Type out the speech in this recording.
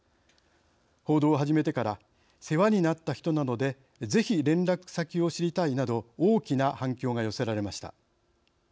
報道を始めてから世話になった人なのでぜひ連絡先を知りたいなど大きな反響が寄せられました。